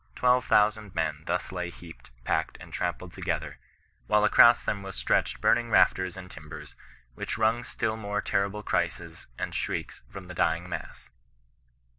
Twelve thousand men thus lay heaped, packed, and trampled together, while across them was stretched burning rafters and timbers which wrung still more terrible cries and shrieks from the dying mass.